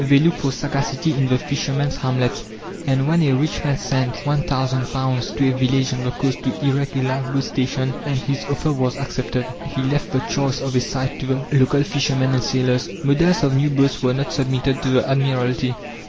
They looked for sagacity in the fishermen's hamlets, and when a rich man sent £1,000 to a village on the coast to erect a lifeboat station, and his offer was accepted, he left the choice of a site to the local fishermen and sailors. Models of new boats were not submitted to the Admiralty.